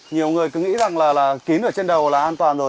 nhiều người cứ nghĩ rằng là kín ở trên đầu là an toàn rồi